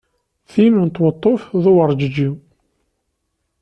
Tin n tweṭṭuft d uwerǧeǧi.